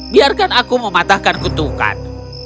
biarkan aku mematahkan kutukan